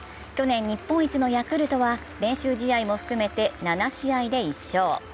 去年、日本一のヤクルトは練習試合も含めて７試合で１勝。